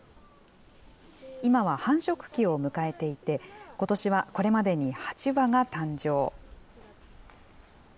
今は繁殖期を迎えていて、ことしはこれまでに８羽が誕生。